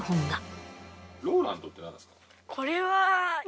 これは。